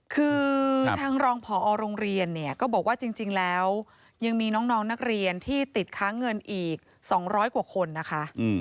คือทางรองผอโรงเรียนเนี่ยก็บอกว่าจริงแล้วยังมีน้องนักเรียนที่ติดค้างเงินอีก๒๐๐กว่าคนนะคะ